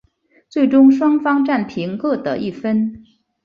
最终双方战平各得一分。